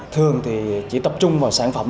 thường thì chỉ tập trung vào sản phẩm